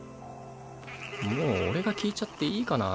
もう俺が聞いちゃっていいかな？